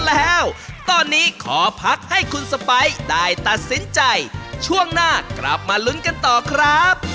ราคาถูกที่สุดค่ะ